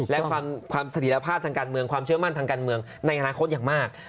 และความสถิรภาพทางการเมืองความเชื่อมั่นทางการเมืองในอนาคตอย่างมาก